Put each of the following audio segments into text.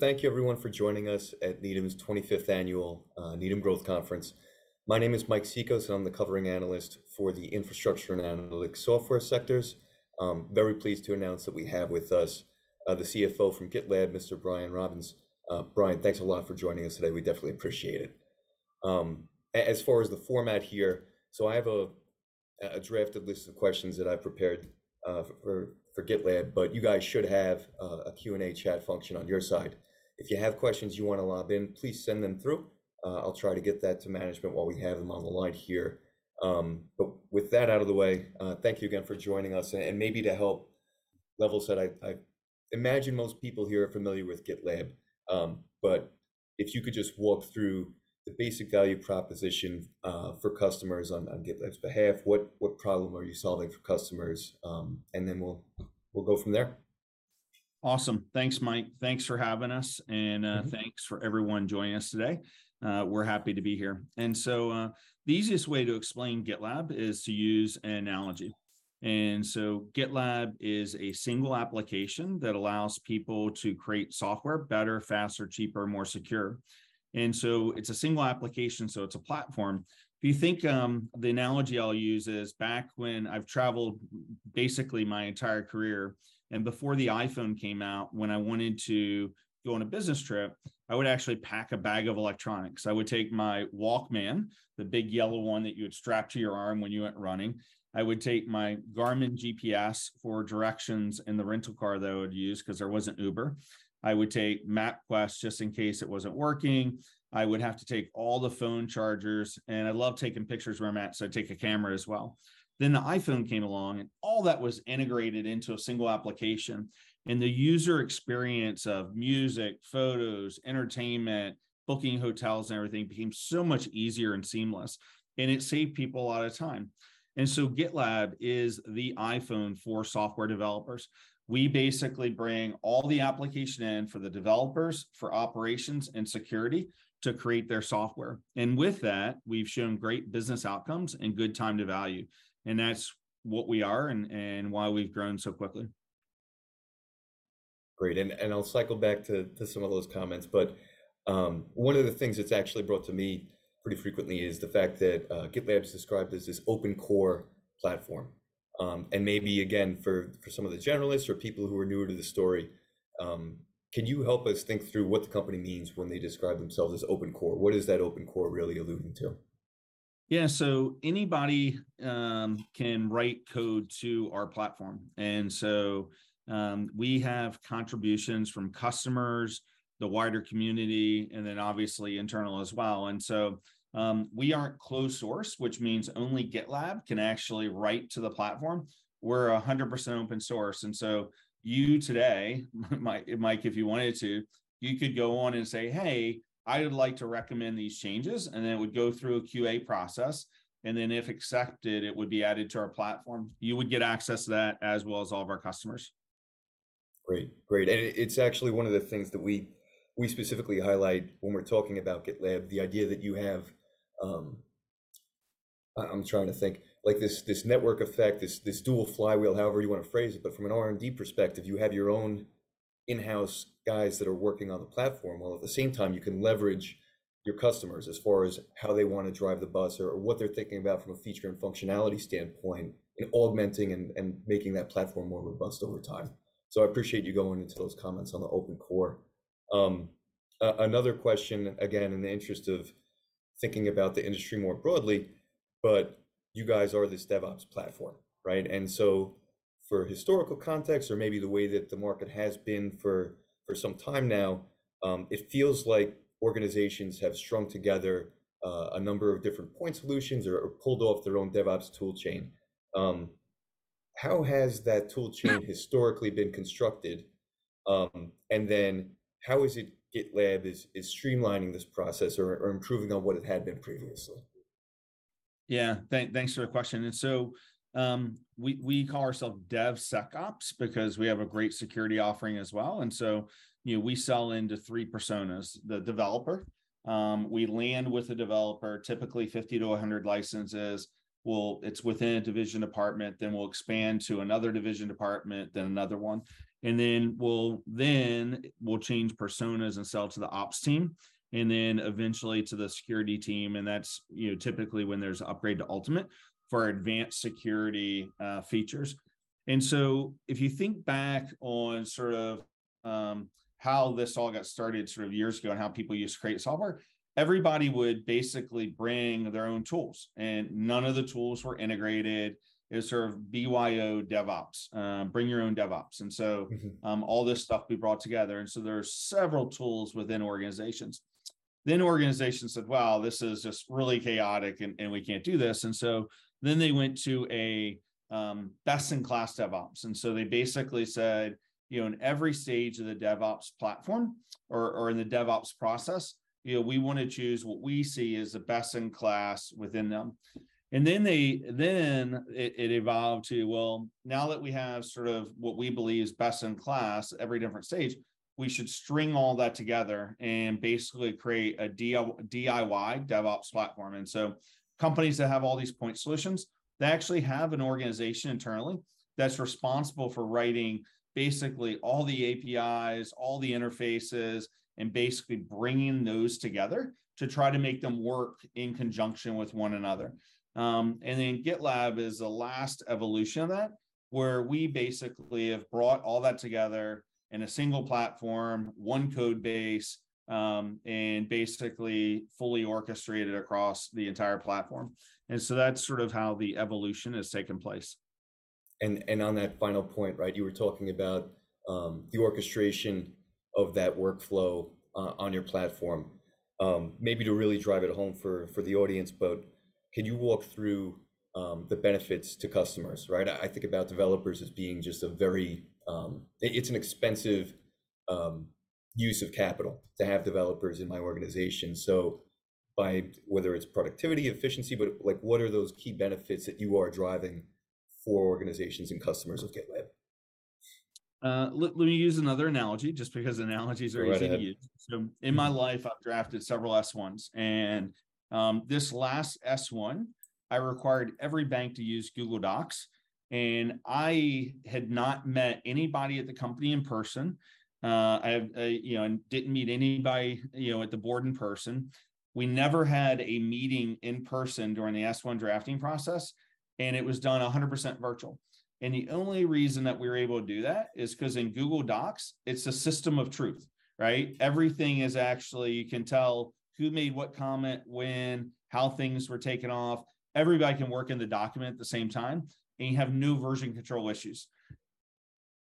Thank you everyone for joining us at Needham's 25th annual, Needham Growth Conference. My name is Mike Cikos, and I'm the covering analyst for the infrastructure and analytic software sectors. I'm very pleased to announce that we have with us, the CFO from GitLab, Mr. Brian Robins. Brian, thanks a lot for joining us today. We definitely appreciate it. As far as the format here, so I have a drafted list of questions that I prepared for GitLab, but you guys should have a Q&A chat function on your side. If you have questions you wanna lob in, please send them through. I'll try to get that to management while we have them on the line here. With that out of the way, thank you again for joining us. Maybe to help level set, I imagine most people here are familiar with GitLab. If you could just walk through the basic value proposition for customers on GitLab's behalf. What problem are you solving for customers? Then we'll go from there. Awesome. Thanks Mike. Thanks for having us. Thanks for everyone joining us today. We're happy to be here. The easiest way to explain GitLab is to use an analogy. GitLab is a single application that allows people to create software better, faster, cheaper, more secure. It's a single application, so it's a platform. If you think, the analogy I'll use is back when I've traveled basically my entire career. And before the iPhone came out, when I wanted to go on a business trip, I would actually pack a bag of electronics. I would take my Walkman, the big yellow one that you would strap to your arm when you went running. I would take my Garmin GPS for directions in the rental car that I would use, 'cause there wasn't Uber. I would take MapQuest just in case it wasn't working. I would have to take all the phone chargers. I love taking pictures where I'm at, so I'd take a camera as well. The iPhone came along, and all that was integrated into a single application. The user experience of music, photos, entertainment, booking hotels and everything became so much easier and seamless, and it saved people a lot of time. GitLab is the iPhone for software developers. We basically bring all the application in for the developers, for operations and security to create their software. With that, we've shown great business outcomes and good time to value, and that's what we are and why we've grown so quickly. Great, and I'll cycle back to some of those comments. One of the things that's actually brought to me pretty frequently is the fact that GitLab is described as this open core platform. Maybe again, for some of the generalists or people who are newer to the story, can you help us think through what the company means when they describe themselves as open core? What is that open core really alluding to? Yeah. Anybody can write code to our platform. We have contributions from customers, the wider community, and then obviously internal as well. We aren't closed source, which means only GitLab can actually write to the platform. We're 100% open source, you today, Mike, if you wanted to, you could go on and say, "Hey, I would like to recommend these changes," and then it would go through a QA process, and then if accepted, it would be added to our platform. You would get access to that as well as all of our customers. Great. It's actually one of the things that we specifically highlight when we're talking about GitLab, the idea that you have, I'm trying to think. Like this network effect, this dual flywheel, however you wanna phrase it. From an R&D perspective, you have your own in-house guys that are working on the platform, while at the same time you can leverage your customers as far as how they wanna drive the bus. Or what they're thinking about from a feature and functionality standpoint in augmenting and making that platform more robust over time. I appreciate you going into those comments on the open core. Another question, again, in the interest of thinking about the industry more broadly, you guys are this DevOps platform, right? For historical context, or maybe the way that the market has been for some time now, it feels like organizations have strung together a number of different point solutions or pulled off their own DevOps tool chain. How has that tool chain historically been constructed? How is it GitLab is streamlining this process or improving on what it had been previously? Yeah. Thanks for the question. We call ourselves DevSecOps because we have a great security offering as well. You know, we sell into three personas. The developer, we land with a developer typically 50-100 licenses. It's within a division department, then we'll expand to another division department, then another one. Then we'll change personas and sell to the Ops team, and then eventually to the security team, and that's, you know, typically when there's an upgrade to Ultimate for our advanced security features. If you think back on sort of how this all got started sort of years ago and how people used to create software, everybody would basically bring their own tools, and none of the tools were integrated. It was sort of BYO DevOps, bring your own DevOps. Mm-hmm. All this stuff we brought together, and so there are several tools within organizations. Organizations said, "Wow, this is just really chaotic and we can't do this." Then they went to a best in class DevOps. They basically said, you know, in every stage of the DevOps platform or in the DevOps process, you know, we wanna choose what we see as the best in class within them. Then it evolved to, well, now that we have sort of what we believe is best in class at every different stage, we should string all that together and basically create a DIY DevOps platform. Companies that have all these point solutions, they actually have an organization internally that's responsible for writing basically all the APIs, all the interfaces, and basically bringing those together to try to make them work in conjunction with one another. GitLab is the last evolution of that, where we basically have brought all that together in a single platform, one code base, and basically fully orchestrated across the entire platform. That's sort of how the evolution has taken place. On that final point, right, you were talking about, the orchestration of that workflow on your platform. Maybe to really drive it home for the audience, but can you walk through, the benefits to customers, right? I think about developers as being just a very, it's an expensive, use of capital to have developers in my organization. So by, whether it's productivity, efficiency, but, like, what are those key benefits that you are driving for organizations and customers with GitLab? Let me use another analogy just because analogies are easy to use. Go right ahead. In my life, I've drafted several S1s. This last S1, I required every bank to use Google Docs. I had not met anybody at the company in person. I, you know, didn't meet anybody, you know, at the board in person. We never had a meeting in person during the S1 drafting process. It was done 100% virtual. The only reason that we were able to do that is 'cause in Google Docs, it's a system of truth, right? Everything is actually, you can tell who made what comment when, how things were taken off. Everybody can work in the document at the same time. You have new version control issues.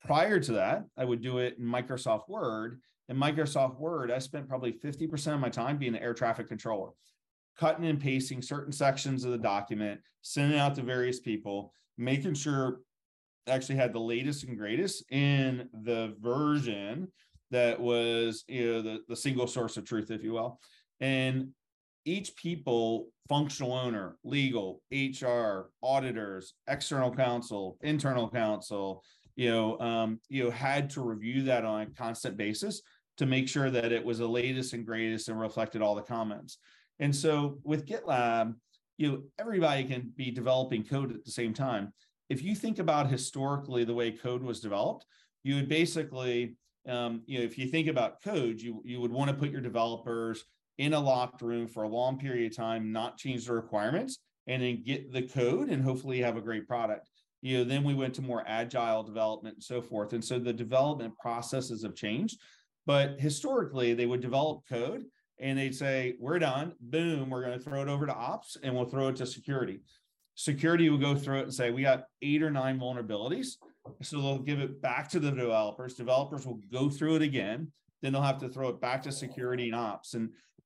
Prior to that, I would do it in Microsoft Word. In Microsoft Word, I spent probably 50% of my time being the air traffic controller, cutting and pasting certain sections of the document, sending it out to various people, making sure I actually had the latest and greatest in the version that was, you know, the single source of truth, if you will. Each people, functional owner, legal, HR, auditors, external counsel, internal counsel, you know, had to review that on a constant basis to make sure that it was the latest and greatest and reflected all the comments. With GitLab, you know, everybody can be developing code at the same time. If you think about historically the way code was developed, you would basically, you know, if you think about code, you would want to put your developers in a locked room for a long period of time, not change the requirements, and then get the code and hopefully have a great product. We went to more agile development and so forth, the development processes have changed. Historically, they would develop code and they'd say, "We're done. Boom, we're gonna throw it over to ops, and we'll throw it to security." Security will go through it and say, "We got eight or nine vulnerabilities," they'll give it back to the developers. Developers will go through it again, they'll have to throw it back to security and ops.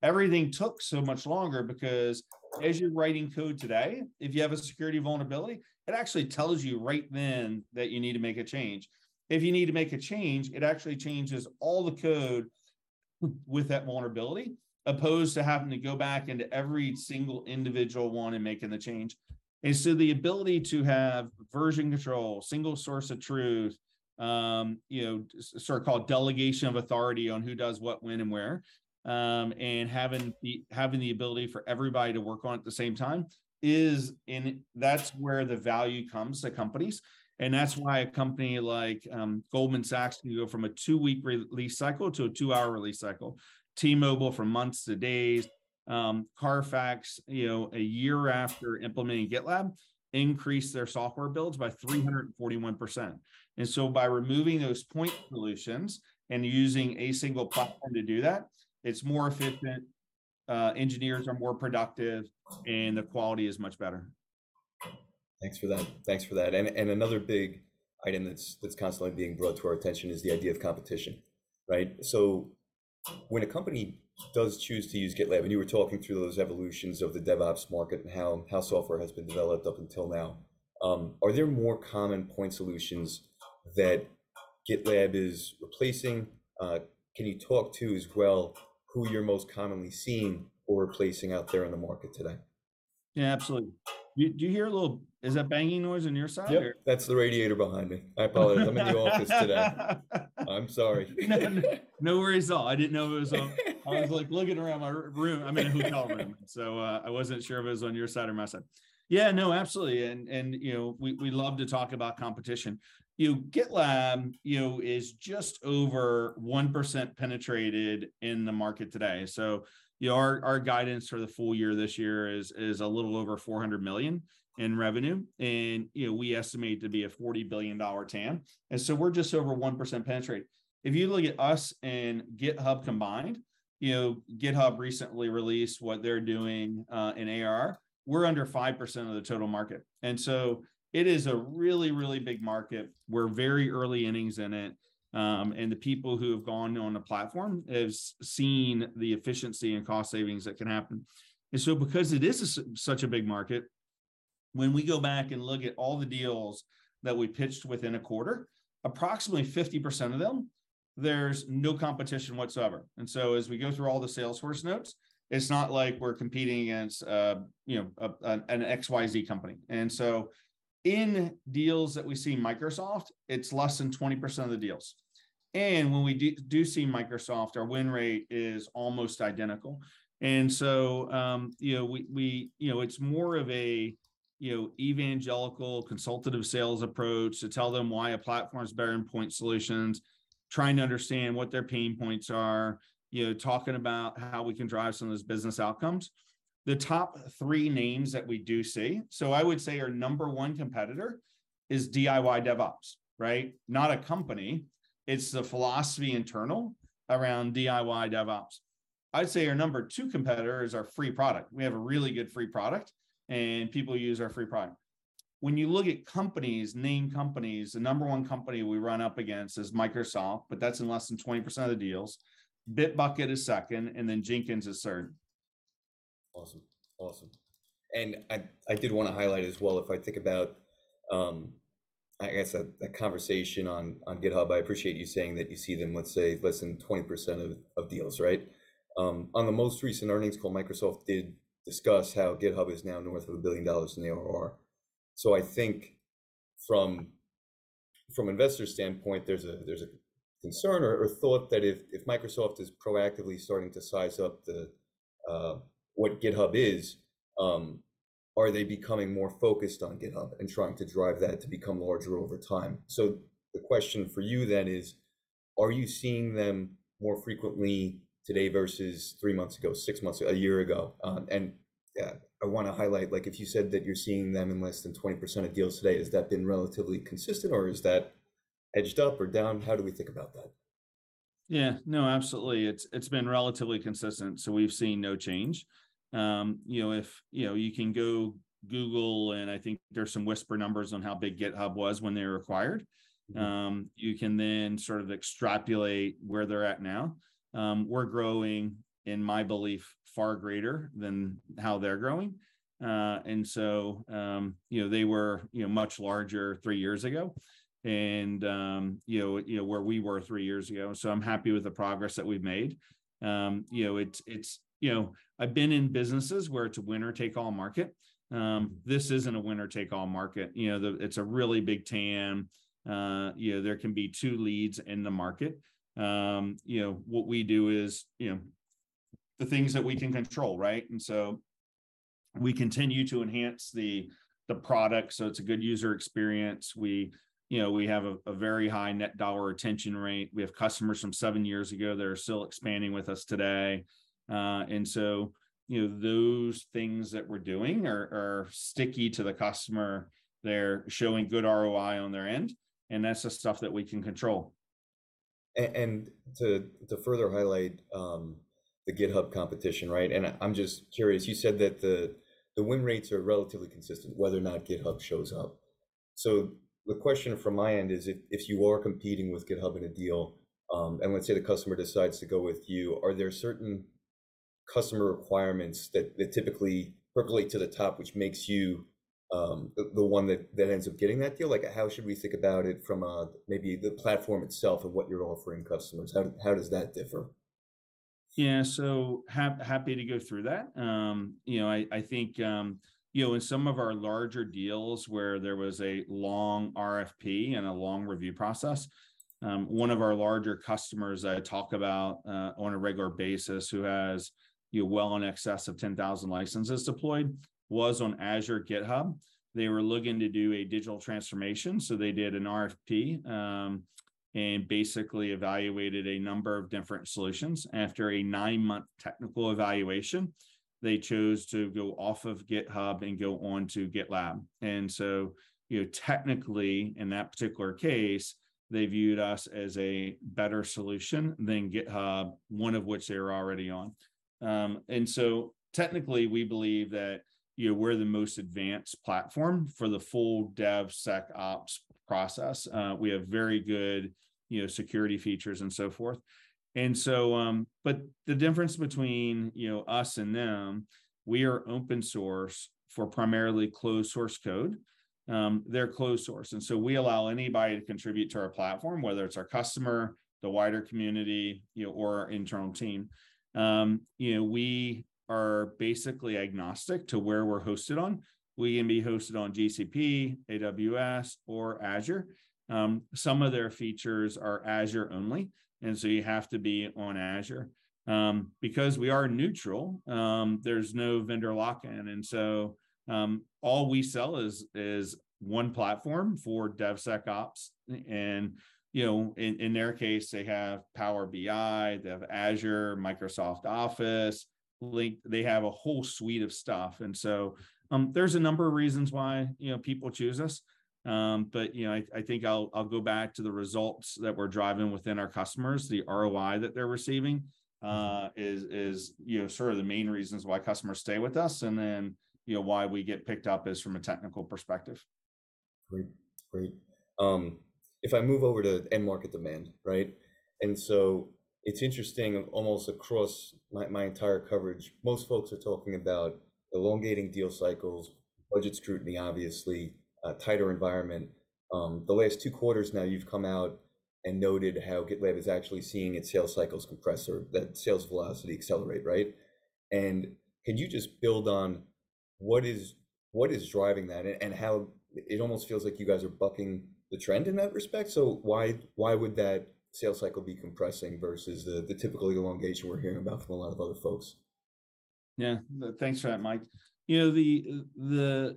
Everything took so much longer because as you're writing code today, if you have a security vulnerability, it actually tells you right then that you need to make a change. If you need to make a change, it actually changes all the code with that vulnerability, opposed to having to go back into every single individual one and making the change. The ability to have version control, single source of truth, you know, sort of called delegation of authority on who does what, when, and where, and having the ability for everybody to work on it at the same time is, and that's where the value comes to companies. That's why a company like Goldman Sachs can go from a two-week re-release cycle to a two-hour release cycle, T-Mobile from months to days. CARFAX, you know, one year after implementing GitLab, increased their software builds by 341%. By removing those point solutions and using a single platform to do that, it's more efficient, engineers are more productive, and the quality is much better. Thanks for that. Another big item that's constantly being brought to our attention is the idea of competition, right? When a company does choose to use GitLab, and you were talking through those evolutions of the DevOps market and how software has been developed up until now, are there more common point solutions that GitLab is replacing? Can you talk to as well who you're most commonly seeing or replacing out there in the market today? Yeah, absolutely. Do you hear a little... Is that banging noise on your side? Or- Yep, that's the radiator behind me. I apologize. I'm in the office today. I'm sorry. No, no worries at all. I didn't know it was on. I was, like, looking around my room, I'm in a hotel room. I wasn't sure if it was on your side or my side. Yeah, no, absolutely. You know, we love to talk about competition. You know, GitLab, you know, is just over 1% penetrated in the market today. You know, our guidance for the full year this year is a little over $400 million in revenue. You know, we estimate to be a $40 billion TAM. We're just over 1% penetrate. If you look at us and GitHub combined, you know, GitHub recently released what they're doing in ARR, we're under 5% of the total market. It is a really big market. We're very early innings in it, and the people who have gone on the platform have seen the efficiency and cost savings that can happen. Because it is such a big market, when we go back and look at all the deals that we pitched within a quarter, approximately 50% of them, there's no competition whatsoever. As we go through all the Salesforce notes, it's not like we're competing against, you know, an XYZ company. In deals that we see Microsoft, it's less than 20% of the deals. When we do see Microsoft, our win rate is almost identical. You know, we, you know, it's more of a, you know, evangelical consultative sales approach to tell them why a platform's better than point solutions, trying to understand what their pain points are, you know, talking about how we can drive some of those business outcomes. The top three names that we do see, I would say our number one competitor is DIY DevOps, right? Not a company, it's the philosophy internal around DIY DevOps. I'd say our number two competitor is our free product. We have a really good free product, people use our free product. When you look at companies, named companies, the number one company we run up against is Microsoft, that's in less than 20% of the deals. Bitbucket is second, Jenkins is third. Awesome. Awesome. I did wanna highlight as well, if I think about, I guess a conversation on GitHub, I appreciate you saying that you see them, let's say, less than 20% of deals, right? On the most recent earnings call, Microsoft did discuss how GitHub is now north of $1 billion in ARR. I think from investors' standpoint, there's a, there's a concern or thought that if Microsoft is proactively starting to size up the, what GitHub is, are they becoming more focused on GitHub and trying to drive that to become larger over time? The question for you then is, are you seeing them more frequently today versus three months ago, six months, one year ago? I wanna highlight, like if you said that you're seeing them in less than 20% of deals today, has that been relatively consistent or is that edged up or down? How do we think about that? Yeah. No, absolutely. It's, it's been relatively consistent, so we've seen no change. You know, if, you know, you can go Google, and I think there's some whisper numbers on how big GitHub was when they were acquired. You can then sort of extrapolate where they're at now. We're growing, in my belief, far greater than how they're growing. You know, they were, you know, much larger three years ago and, you know, you know, where we were three years ago, so I'm happy with the progress that we've made. You know, it's, you know, I've been in businesses where it's a winner-take-all market. This isn't a winner-take-all market. You know, it's a really big TAM. You know, there can be two leads in the market. You know, what we do is, you know, the things that we can control, right? We continue to enhance the product so it's a good user experience. We, you know, we have a very high Net Dollar Retention Rate. We have customers from seven years ago that are still expanding with us today. You know, those things that we're doing are sticky to the customer. They're showing good ROI on their end, and that's the stuff that we can control. To further highlight the GitHub competition, right? I'm just curious, you said that the win rates are relatively consistent whether or not GitHub shows up. The question from my end is if you are competing with GitHub in a deal, and let's say the customer decides to go with you, are there certain customer requirements that typically percolate to the top which makes you the one that ends up getting that deal? Like, how should we think about it from a maybe the platform itself of what you're offering customers? How does that differ? Yeah. Happy to go through that. You know, I think, you know, in some of our larger deals where there was a long RFP and a long review process, one of our larger customers I talk about on a regular basis who has, you know, well in excess of 10,000 licenses deployed, was on Azure GitHub. They were looking to do a digital transformation, they did an RFP, and basically evaluated a number of different solutions. After a nine-month technical evaluation, they chose to go off of GitHub and go onto GitLab. You know, technically, in that particular case, they viewed us as a better solution than GitHub, one of which they were already on. Technically, we believe that, you know, we're the most advanced platform for the full DevSecOps process. We have very good, you know, security features and so forth. But the difference between, you know, us and them, we are open source for primarily closed source code. They're closed source, we allow anybody to contribute to our platform, whether it's our customer, the wider community, you know, or our internal team. You know, we are basically agnostic to where we're hosted on. We can be hosted on GCP, AWS, or Azure. Some of their features are Azure only, you have to be on Azure. Because we are neutral, there's no vendor lock-in. All we sell is one platform for DevSecOps. And, you know, in their case, they have Power BI, they have Azure, Microsoft Office, Lync. They have a whole suite of stuff. There's a number of reasons why, you know, people choose us. You know, I think I'll go back to the results that we're driving within our customers. The ROI that they're receiving, you know, sort of the main reasons why customers stay with us, you know, why we get picked up is from a technical perspective. Great. Great. If I move over to end market demand, right? It's interesting almost across my entire coverage, most folks are talking about elongating deal cycles, budget scrutiny obviously, a tighter environment. The last two quarters now you've come out and noted how GitLab is actually seeing its sales cycles compress or that sales velocity accelerate, right? Can you just build on what is driving that and how it almost feels like you guys are bucking the trend in that respect? Why would that sales cycle be compressing versus the typical elongation we're hearing about from a lot of other folks? Yeah. Thanks for that, Mike. You know,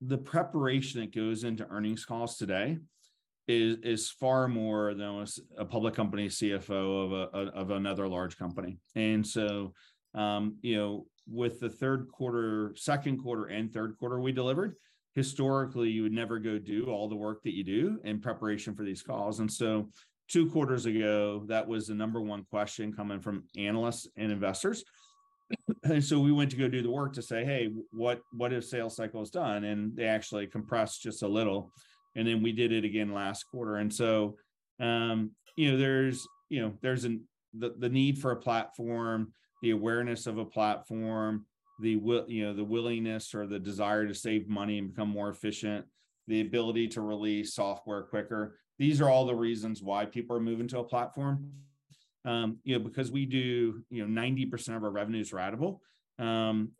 the preparation that goes into earnings calls today is far more than a public company CFO of another large company. You know, with the 3rd quarter, 2nd quarter and 3rd quarter we delivered, historically you would never go do all the work that you do in preparation for these calls. Two quarters ago, that was the number one question coming from analysts and investors. We went to go do the work to say, "Hey, what is sales cycle has done?" And they actually compressed just a little, and then we did it again last quarter. you know, there's, you know, the need for a platform, the awareness of a platform, the willingness or the desire to save money and become more efficient, the ability to release software quicker. These are all the reasons why people are moving to a platform. you know, because we do, you know, 90% of our revenue's ratable,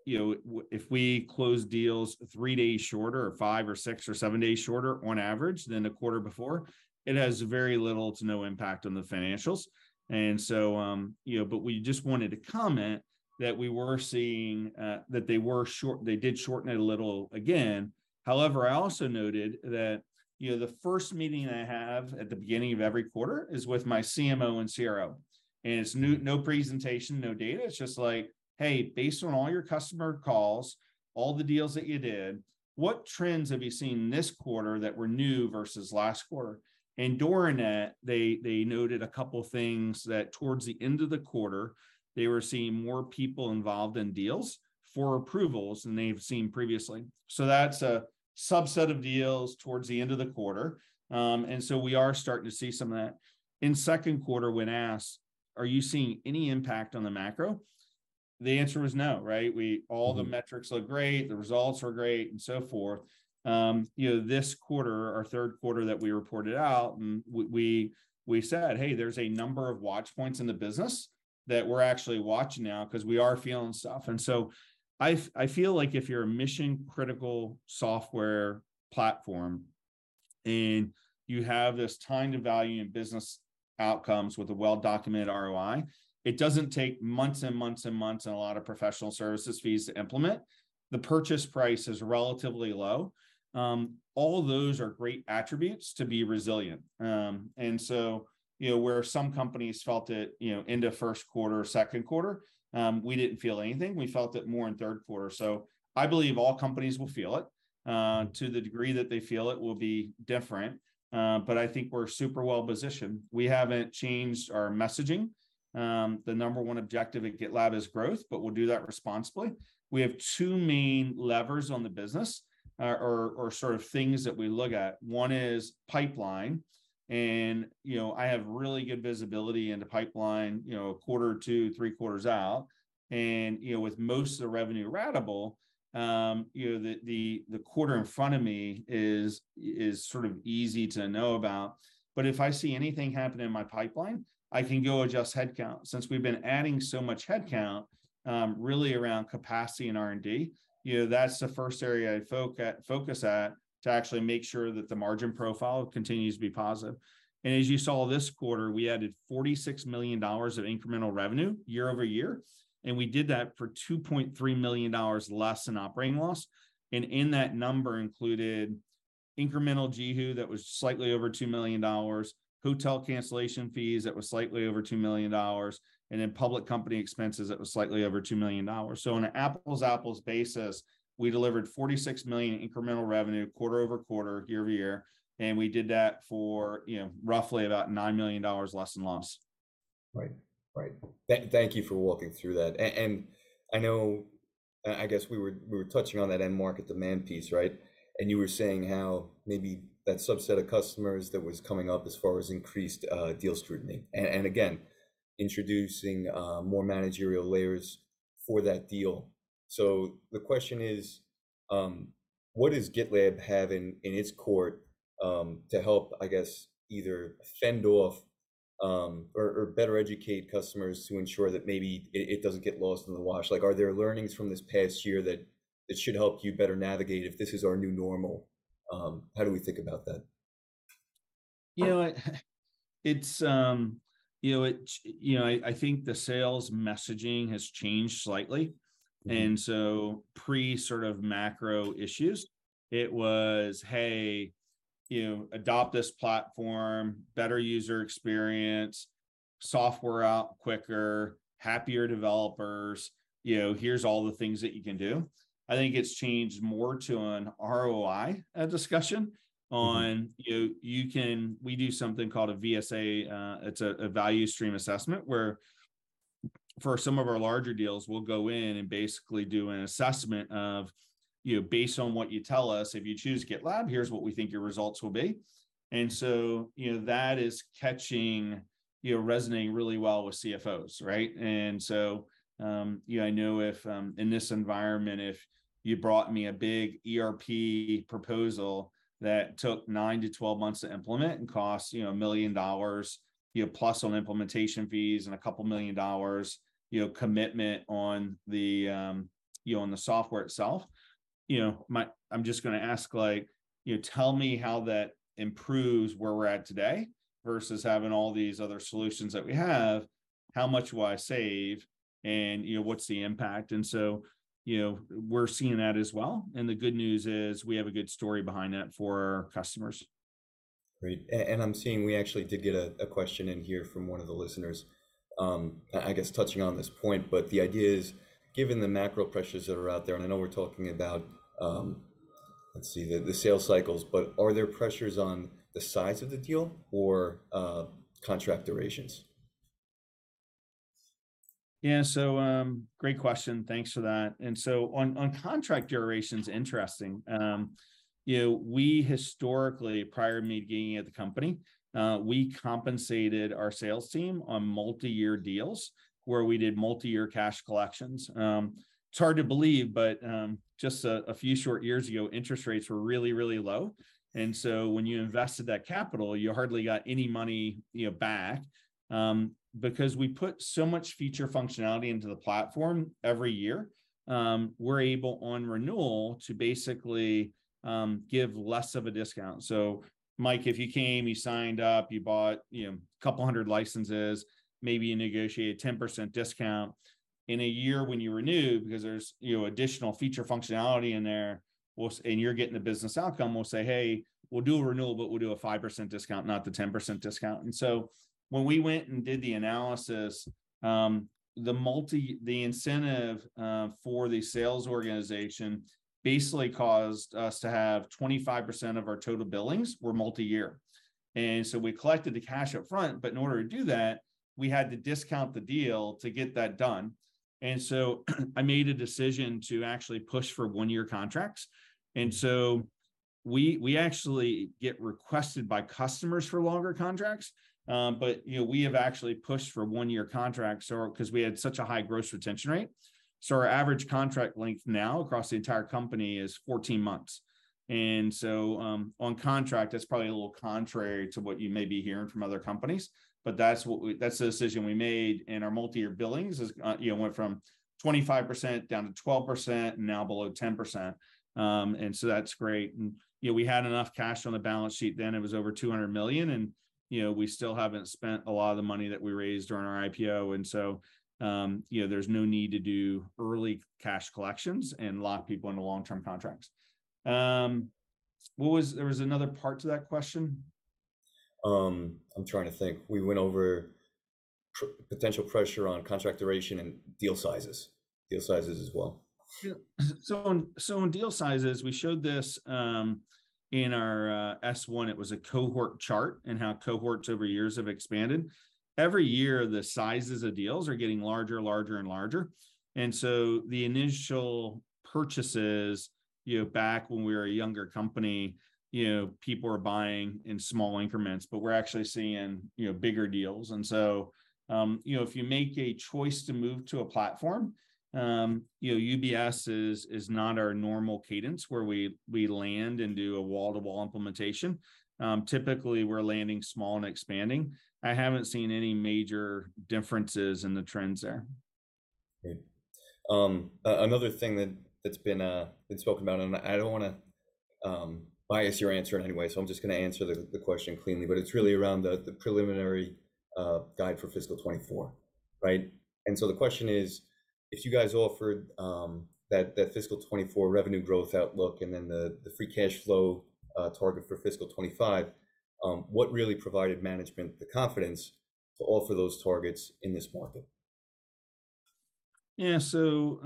you know, if we close deals three days shorter or five or six or seven days shorter on average than the quarter before, it has very little to no impact on the financials. you know, but we just wanted to comment that we were seeing that they did shorten it a little again. I also noted that, you know, the first meeting I have at the beginning of every quarter is with my CMO and CRO. It's no presentation, no data. It's just like, "Hey, based on all your customer calls, all the deals that you did, what trends have you seen this quarter that were new versus last quarter?" During it, they noted a couple things that towards the end of the quarter they were seeing more people involved in deals for approvals than they've seen previously. That's a subset of deals towards the end of the quarter. We are starting to see some of that. In second quarter, when asked, "Are you seeing any impact on the macro?" The answer was no, right? All the metrics look great, the results are great, so forth. You know, this quarter, our third quarter that we reported out and we said, "Hey, there's a number of watch points in the business that we're actually watching now 'cause we are feeling stuff." I feel like if you're a mission critical software platform, and you have this time to value in business outcomes with a well-documented ROI, it doesn't take months and months and months and a lot of professional services fees to implement. The purchase price is relatively low. All of those are great attributes to be resilient. You know, where some companies felt it, you know, end of first quarter or second quarter, we didn't feel anything. We felt it more in third quarter. I believe all companies will feel it. To the degree that they feel it will be different. I think we're super well positioned. We haven't changed our messaging. The number one objective at GitLab is growth, we'll do that responsibly. We have two main levers on the business, or sort of things that we look at. One is pipeline, you know, I have really good visibility into pipeline, you know, a quarter or two, three quarters out. You know, with most of the revenue ratable, you know, the, the quarter in front of me is sort of easy to know about. If I see anything happen in my pipeline, I can go adjust headcount. Since we've been adding so much headcount, really around capacity and R&D, you know, that's the first area I'd focus at to actually make sure that the margin profile continues to be positive. As you saw this quarter, we added $46 million of incremental revenue year-over-year, and we did that for $2.3 million less in operating loss. In that number included incremental G&A that was slightly over $2 million, hotel cancellation fees that was slightly over $2 million, and in public company expenses, it was slightly over $2 million. On an apples basis, we delivered $46 million incremental revenue quarter-over-quarter, year-over-year, and we did that for, you know, roughly about $9 million less in loss. Right. Right. Thank you for walking through that. I know, I guess we were, we were touching on that end market demand piece, right? You were saying how maybe that subset of customers that was coming up as far as increased deal scrutiny and, again, introducing more managerial layers for that deal. The question is, what does GitLab have in its court, to help, I guess, either fend off, or better educate customers to ensure that maybe it doesn't get lost in the wash? Like, are there learnings from this past year that should help you better navigate if this is our new normal, how do we think about that? You know what? It's, you know, I think the sales messaging has changed slightly. Mm-hmm. Pre sort of macro issues, it was, "Hey, you know, adopt this platform, better user experience, software out quicker, happier developers, you know, here's all the things that you can do." I think it's changed more to an ROI discussion. Mm-hmm... on, you know, you can, we do something called a VSA, it's a value stream assessment, where for some of our larger deals, we'll go in and basically do an assessment of, you know, based on what you tell us, if you choose GitLab, here's what we think your results will be. You know, that is catching, you know, resonating really well with CFOs, right? You know, I know if in this environment, if you brought me a big ERP proposal that took 9-12 months to implement and costs, you know, $1 million, you know, plus on implementation fees and $2 million, you know, commitment on the, you know, on the software itself, you know, I'm just gonna ask like, you know, tell me how that improves where we're at today versus having all these other solutions that we have. How much will I save and, you know, what's the impact? You know, we're seeing that as well, and the good news is we have a good story behind that for our customers. Great. I'm seeing we actually did get a question in here from one of the listeners, I guess touching on this point, but the idea is given the macro pressures that are out there, I know we're talking about, let's see, the sales cycles, but are there pressures on the size of the deal or contract durations? Yeah. Great question. Thanks for that. Contract duration's interesting. You know, we historically, prior to me being at the company, we compensated our sales team on multi-year deals where we did multi-year cash collections. It's hard to believe, but just a few short years ago, interest rates were really, really low. When you invested that capital, you hardly got any money, you know, back. Because we put so much feature functionality into the platform every year, we're able on renewal to basically give less of a discount. Mike, if you came, you signed up, you bought, you know, a couple hundred licenses, maybe you negotiate a 10% discount. In a year when you renew, because there's, you know, additional feature functionality in there, and you're getting the business outcome, we'll say, "Hey, we'll do a renewal, but we'll do a 5% discount, not the 10% discount." When we went and did the analysis, the multi- the incentive for the sales organization basically caused us to have 25% of our total billings were multi-year. We collected the cash up front, but in order to do that, we had to discount the deal to get that done. I made a decision to actually push for one-year contracts. We actually get requested by customers for longer contracts. But you know, we have actually pushed for one-year contracts or 'cause we had such a high gross retention rate. Our average contract length now across the entire company is 14 months. On contract, that's probably a little contrary to what you may be hearing from other companies, but that's the decision we made. Our multi-year billings is, you know, went from 25% down to 12%, and now below 10%. That's great. You know, we had enough cash on the balance sheet then, it was over $200 million, and, you know, we still haven't spent a lot of the money that we raised during our IPO. You know, there's no need to do early cash collections and lock people into long-term contracts. What was... There was another part to that question? I'm trying to think. We went over potential pressure on contract duration and deal sizes. Deal sizes as well. On deal sizes, we showed this in our S1. It was a cohort chart and how cohorts over years have expanded. Every year, the sizes of deals are getting larger and larger. The initial purchases, you know, back when we were a younger company, you know, people were buying in small increments, but we're actually seeing, you know, bigger deals. If you make a choice to move to a platform, you know, UBS is not our normal cadence where we land and do a wall-to-wall implementation. Typically, we're landing small and expanding. I haven't seen any major differences in the trends there. Great. another thing that's been spoken about, and I don't wanna bias your answer in any way, so I'm just gonna answer the question cleanly, but it's really around the preliminary guide for fiscal 2024, right? The question is, if you guys offered that fiscal 2024 revenue growth outlook and then the free cash flow target for fiscal 2025, what really provided management the confidence to offer those targets in this market? Yeah. So,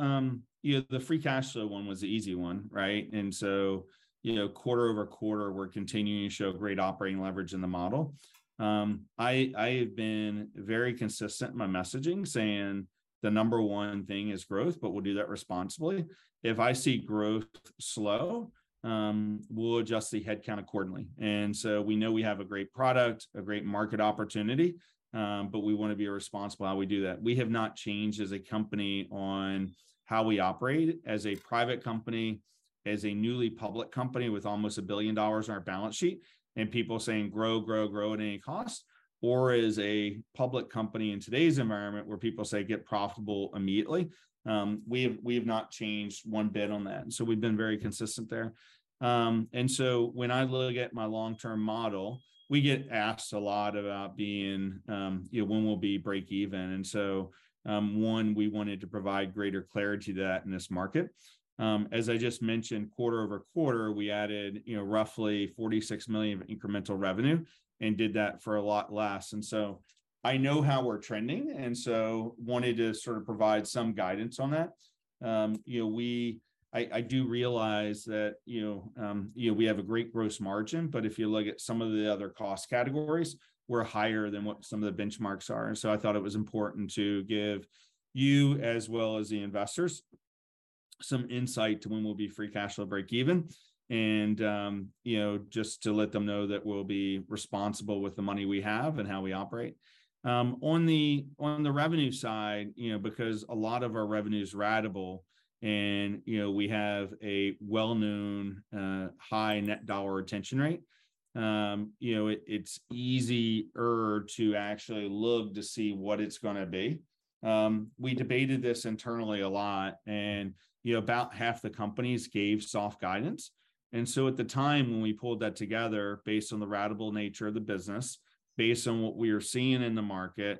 you know, the free cash flow one was the easy one, right? You know, quarter-over-quarter, we're continuing to show great operating leverage in the model. I have been very consistent in my messaging, saying the number one thing is growth, but we'll do that responsibly. If I see growth slow, we'll adjust the headcount accordingly. We know we have a great product, a great market opportunity, but we wanna be responsible how we do that. We have not changed as a company on how we operate as a private company, as a newly public company with almost $1 billion on our balance sheet, and people saying, "Grow, grow at any cost," or as a public company in today's environment where people say, "Get profitable immediately." We have not changed one bit on that. We've been very consistent there. When I look at my long-term model, we get asked a lot about being, you know, when we'll be break even. One, we wanted to provide greater clarity to that in this market. As I just mentioned, quarter-over-quarter, we added, you know, roughly $46 million of incremental revenue and did that for a lot less. I know how we're trending, and so wanted to sort of provide some guidance on that. You know, I do realize that, you know, you know, we have a great gross margin, but if you look at some of the other cost categories, we're higher than what some of the benchmarks are. I thought it was important to give you, as well as the investors, some insight to when we'll be free cash flow break even. You know, just to let them know that we'll be responsible with the money we have and how we operate. On the revenue side, you know, because a lot of our revenue's ratable and, you know, we have a well-known, high Dollar-Based Net Retention Rate, you know, it's easier to actually look to see what it's gonna be. We debated this internally a lot and, you know, about half the companies gave soft guidance. At the time when we pulled that together based on the ratable nature of the business, based on what we are seeing in the market,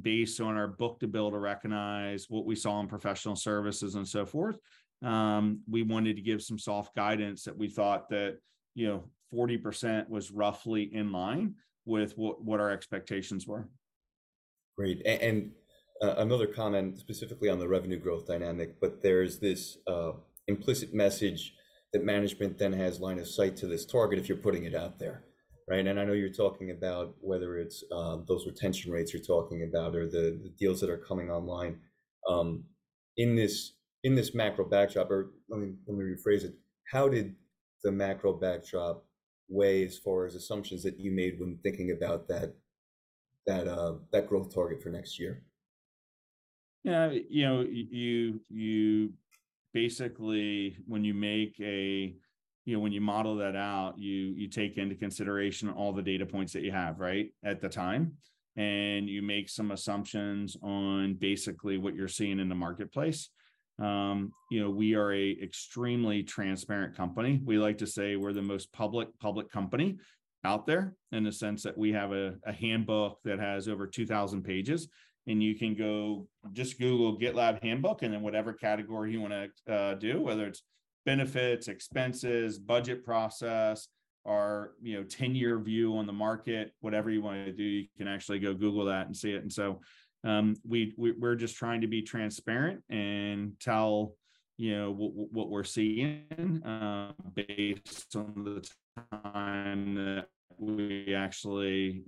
based on our book-to-bill to recognize what we saw in professional services and so forth, we wanted to give some soft guidance that we thought that, you know, 40% was roughly in line with what our expectations were. Great. Another comment specifically on the revenue growth dynamic, but there's this implicit message that management then has line of sight to this target if you're putting it out there, right? I know you're talking about whether it's those retention rates you're talking about or the deals that are coming online. In this macro backdrop or let me rephrase it. How did the macro backdrop weigh as far as assumptions that you made when thinking about that growth target for next year? You know, you basically, when you make. You know, when you model that out, you take into consideration all the data points that you have, right, at the time, and you make some assumptions on basically what you're seeing in the marketplace. You know, we are a extremely transparent company. We like to say we're the most public public company out there, in the sense that we have a handbook that has over 2,000 pages, and Just Google GitLab handbook, and then whatever category you wanna do, whether it's benefits, expenses, budget process, our, you know, 10-year view on the market, whatever you wanna do, you can actually go Google that and see it. We're just trying to be transparent and tell, you know, what we're seeing, based on the time that we actually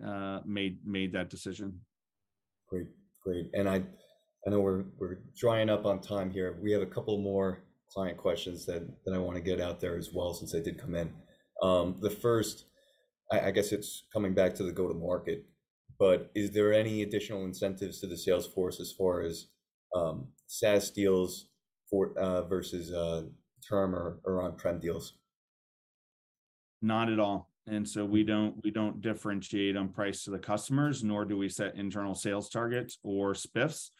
made that decision. Great. Great. I know we're drawing up on time here. We have a couple more client questions that I wanna get out there as well, since they did come in. The first, I guess it's coming back to the go-to-market, but is there any additional incentives to the sales force as far as SaaS deals versus term or on-prem deals? Not at all. We don't differentiate on price to the customers, nor do we set internal sales targets or spiffs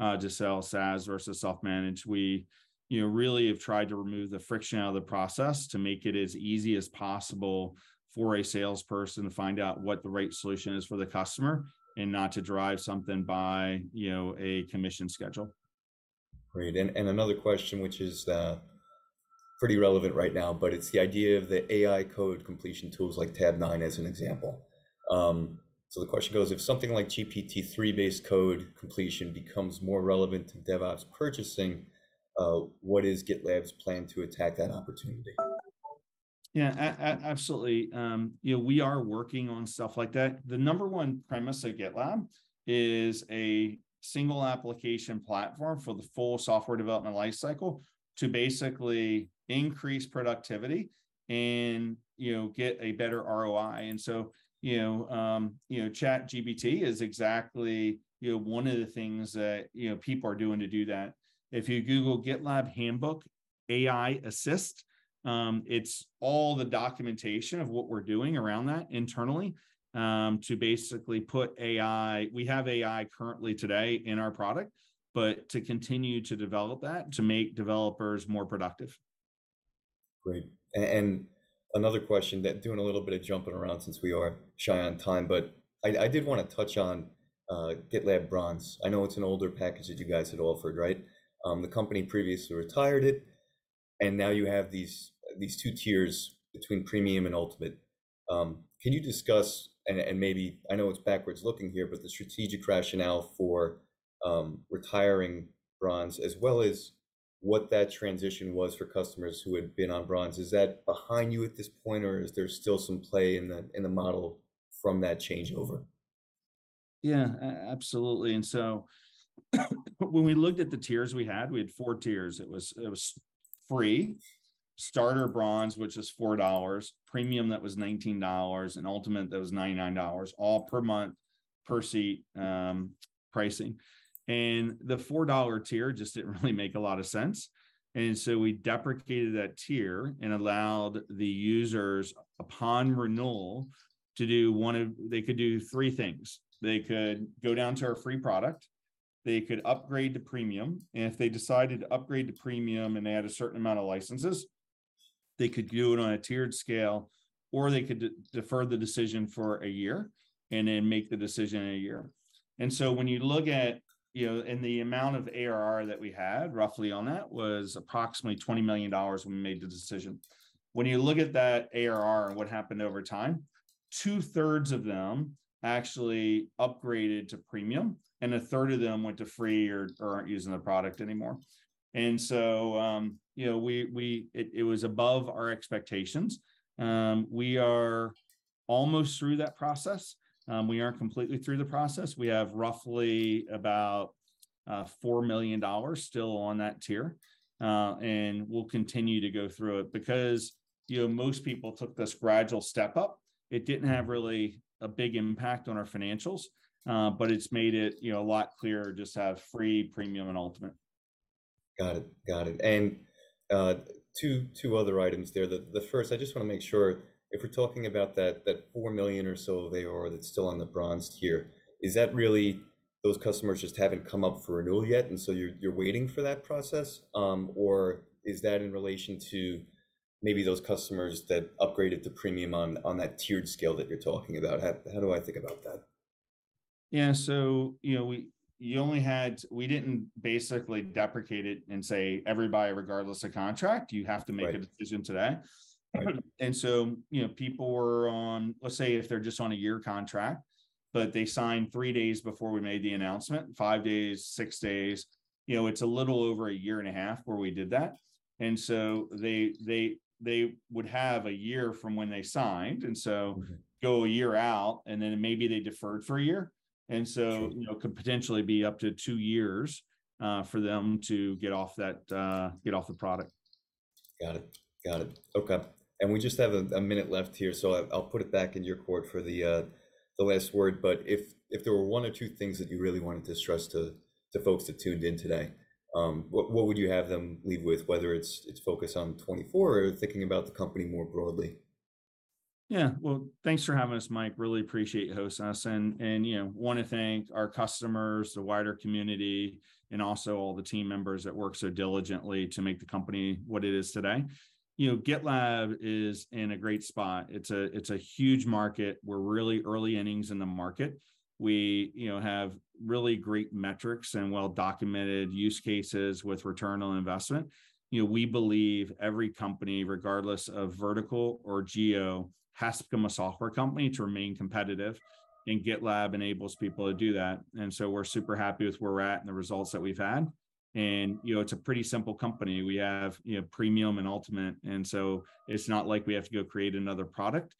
to sell SaaS versus self-managed. We, you know, really have tried to remove the friction out of the process to make it as easy as possible for a salesperson to find out what the right solution is for the customer and not to drive something by, you know, a commission schedule. Great. Another question which is pretty relevant right now, but it's the idea of the AI code completion tools like Tabnine as an example. The question goes, if something like GPT-3 base code completion becomes more relevant to DevOps purchasing, what is GitLab's plan to attack that opportunity? Yeah. Absolutely, you know, we are working on stuff like that. The number one premise at GitLab is a single application platform for the full software development life cycle to basically increase productivity and, you know, get a better ROI. You know, you know, ChatGPT is exactly, you know, one of the things that, you know, people are doing to do that. If you Google GitLab handbook AI assist, it's all the documentation of what we're doing around that internally. We have AI currently today in our product, to continue to develop that to make developers more productive. Great. Another question that, doing a little bit of jumping around since we are shy on time, but I did wanna touch on GitLab Bronze. I know it's an older package that you guys had offered, right? The company previously retired it, and now you have these two tiers between Premium and Ultimate. Can you discuss, and maybe, I know it's backwards looking here, but the strategic rationale for retiring Bronze, as well as what that transition was for customers who had been on Bronze. Is that behind you at this point, or is there still some play in the model from that changeover? Yeah. Absolutely. When we looked at the tiers we had, we had four tiers. It was Free, Starter/Bronze, which was $4, Premium that was $19, and Ultimate that was $99, all per month per seat pricing. The $4 tier just didn't really make a lot of sense, so we deprecated that tier and allowed the users, upon renewal, to do three things. They could go down to our Free product, they could upgrade to Premium, and if they decided to upgrade to Premium and they had a certain amount of licenses, they could do it on a tiered scale, or they could defer the decision for a year and then make the decision in a year. When you look at, you know, and the amount of ARR that we had roughly on that was approximately $20 million when we made the decision. When you look at that ARR and what happened over time, two-thirds of them actually upgraded to Premium, and a third of them went to Free or aren't using the product anymore. You know, we... It was above our expectations. We are almost through that process. We aren't completely through the process. We have roughly about $4 million still on that tier and we'll continue to go through it. Because, you know, most people took this gradual step up, it didn't have really a big impact on our financials, but it's made it, you know, a lot clearer just to have Free, Premium and Ultimate. Got it. Two other items there. The first, I just wanna make sure, if we're talking about that $4 million or so ARR that's still on the Bronze tier, is that really those customers just haven't come up for renewal yet so you're waiting for that process? Or is that in relation to maybe those customers that upgraded to Premium on that tiered scale that you're talking about? How do I think about that? Yeah. You know, we didn't basically deprecate it and say, "Everybody, regardless of contract, you have to make a decision today. Right. You know, people were, Let's say if they're just on a year contract, but they signed three days before we made the announcement, five days, six days, you know, it's a little over a year and a half where we did that. They would have a year from when they signed. Mm-hmm... go a year out, and then maybe they deferred for a year. Sure... you know, could potentially be up to two years, for them to get off that, get off the product. Got it. Got it. Okay. We just have a minute left here, so I'll put it back in your court for the last word. If there were one or two things that you really wanted to stress to folks that tuned in today, what would you have them leave with, whether it's focused on 2024 or thinking about the company more broadly? Yeah. Well, thanks for having us, Mike. Really appreciate you hosting us. You know, wanna thank our customers, the wider community, and also all the team members that work so diligently to make the company what it is today. You know, GitLab is in a great spot. It's a huge market. We're really early innings in the market. We, you know, have really great metrics and well-documented use cases with return on investment. You know, we believe every company, regardless of vertical or geo, has to become a software company to remain competitive, GitLab enables people to do that. We're super happy with where we're at and the results that we've had. You know, it's a pretty simple company. We have, you know, Premium and Ultimate, it's not like we have to go create another product.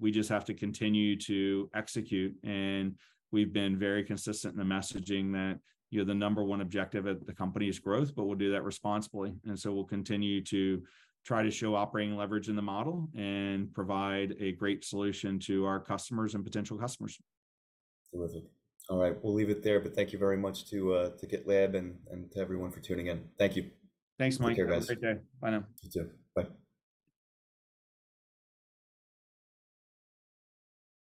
We just have to continue to execute, and we've been very consistent in the messaging that, you know, the number one objective at the company is growth, but we'll do that responsibly. We'll continue to try to show operating leverage in the model and provide a great solution to our customers and potential customers. Terrific. All right, we'll leave it there, thank you very much to GitLab and to everyone for tuning in. Thank you. Thanks, Mike. Take care, guys. Have a great day. Bye now. You too. Bye.